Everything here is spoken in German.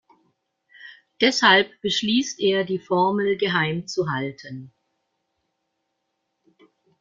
Deshalb beschließt er, die Formel geheim zu halten.